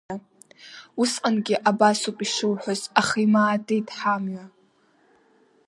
Усҟангьы абас ауп ишуҳәаз, аха имаатит ҳамҩа.